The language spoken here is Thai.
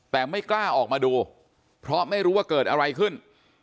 แต่ไม่กล้าออกมาดูเพราะไม่รู้ว่าเกิดอะไรขึ้น